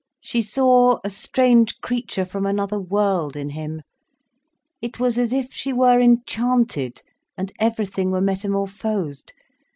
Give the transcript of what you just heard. She saw a strange creature from another world, in him. It was as if she were enchanted, and everything were metamorphosed.